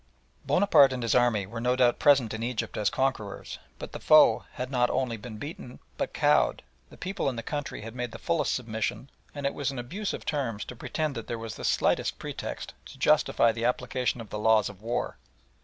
Bonaparte and his army were no doubt present in Egypt as conquerors, but the foe had not only been beaten but cowed, the people of the country had made the fullest submission, and it was an abuse of terms to pretend that there was the slightest pretext to justify the application of the laws of war.